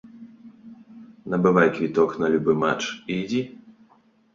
Набывай квіток на любы матч і ідзі.